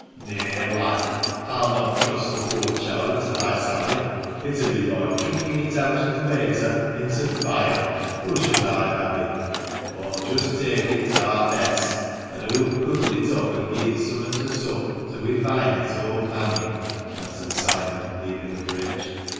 "Neay, lad, aw'l not trust th' poor choilt to thy Sally. It 'ud be loike chuckin' it out o' th' wayter into th' fire (Hush a by, babby). Aw'll just tak it to ar' Bess, and hoo'll cuddle it up and gi' it summat to sup, till we find its own mammy," answered Simon, leaving the bridge.